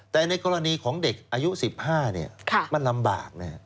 แต่ในกรณีของเด็กอายุ๑๕มันลำบาก